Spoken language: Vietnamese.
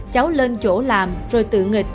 cháu lên chỗ làm rồi tự nghịch